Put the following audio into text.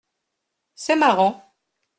C’est marrant.